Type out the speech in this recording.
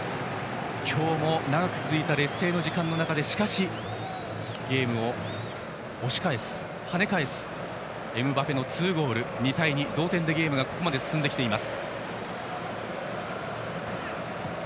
今日も長く続いた劣勢の時間の中でゲームを押し返す、跳ね返すエムバペの２ゴール２対２の同点でゲームが進んでいます。